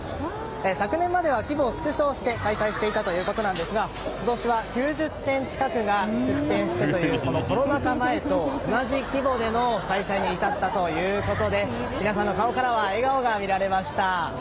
昨年までは規模を縮小して開催していたんですが今年は９０店近くが出展してというコロナ禍前と同じ規模での開催に至ったということで皆さんの顔からは笑顔が見られました。